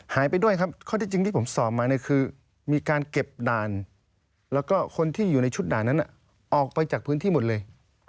หายไปด้วยครับข้อที่จริงที่ผมสอบมาเนี่ยคือมีการเก็บด่านแล้วก็คนที่อยู่ในชุดด่านนั้นออกไปจากพื้นที่หมดเลย